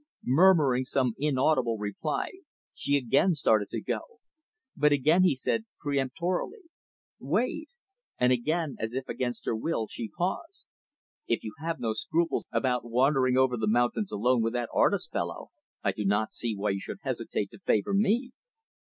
Murmuring some inaudible reply, she again started to go. But again he said, peremptorily, "Wait." And again, as if against her will, she paused. "If you have no scruples about wandering over the mountains alone with that artist fellow, I do not see why you should hesitate to favor me."